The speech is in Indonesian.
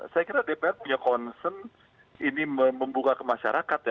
saya kira dpr punya concern ini membuka ke masyarakat ya